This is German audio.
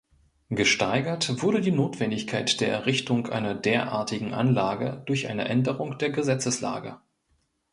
Gesteigert wurde die Notwendigkeit der Errichtung einer derartigen Anlage durch eine Änderung der Gesetzeslage.